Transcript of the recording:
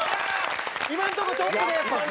今のとこトップです。